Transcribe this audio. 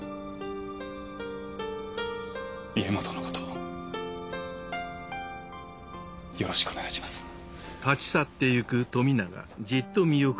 家元のことよろしくお願いします。